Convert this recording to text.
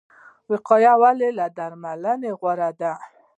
وقایه ولې له درملنې غوره ده؟